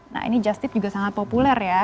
nah ini just tip juga sangat populer ya